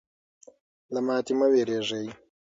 له ماتې مه ویرېږئ.